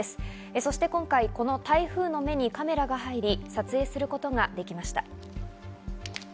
そして今回、この台風の目にカメラが入り、撮影することができました。